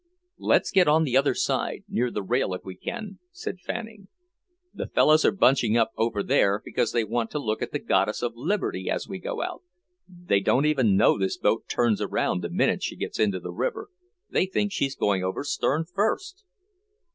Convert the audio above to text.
"Let's get on the other side, near the rail if we can," said Fanning. "The fellows are bunching up over here because they want to look at the Goddess of Liberty as we go out. They don't even know this boat turns around the minute she gets into the river. They think she's going over stern first!"